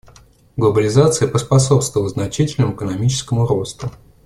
Глобализация поспособствовала значительному экономическому росту.